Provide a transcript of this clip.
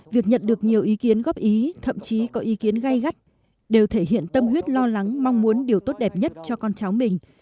việc nhận được nhiều ý kiến góp ý thậm chí có ý kiến gây gắt đều thể hiện tâm huyết lo lắng mong muốn điều tốt đẹp nhất cho con cháu mình